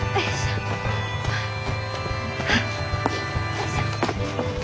よいしょ。